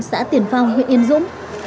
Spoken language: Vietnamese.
xã tiền phong huyện yên dũng tỉnh bắc giang